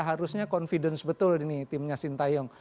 harusnya confidence betul ini timnya sintayong